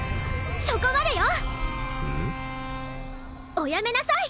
おやめなさい！